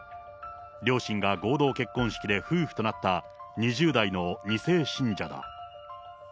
両親が合同結婚式で夫婦となった、２０代の２世信者だ。